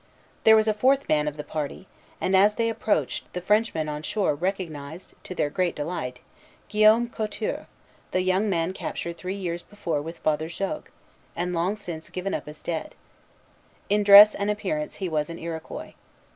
There was a fourth man of the party, and, as they approached, the Frenchmen on the shore recognized, to their great delight, Guillaume Couture, the young man captured three years before with Father Jogues, and long since given up as dead. In dress and appearance he was an Iroquois.